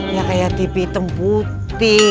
ya kayak tipi hitam putih